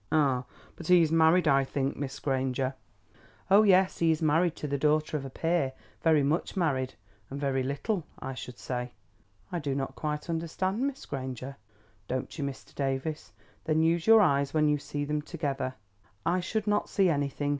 "Ah. But he is married, I think, Miss Granger?" "Oh, yes, he is married to the daughter of a peer, very much married—and very little, I should say." "I do not quite understand, Miss Granger." "Don't you, Mr. Davies? then use your eyes when you see them together." "I should not see anything.